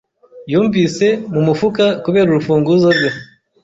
Yumvise mu mufuka kubera urufunguzo rwe.